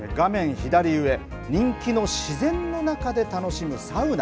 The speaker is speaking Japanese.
左上人気の自然の中で楽しむサウナ。